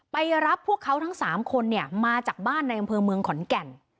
ไปรับพวกเขาทั้ง๓คนมาจากบ้านในอำเภอเมืองขอนแก่น